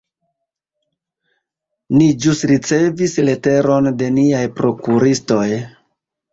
Ni ĵus ricevis leteron de niaj prokuristoj.